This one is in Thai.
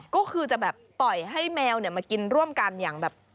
ก็คือจะแบบปล่อยให้แมวมากินร่วมกันอย่างแบบ